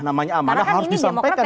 namanya amanah harus disampaikan